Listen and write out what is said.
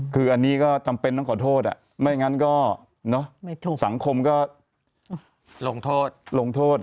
คืออันนี้ก็จำเป็นต้องขอโทษไม่งั้นก็สังคมก็ลงโทษลงโทษ